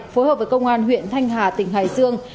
phối hợp với công an huyện thanh hà tỉnh hải dương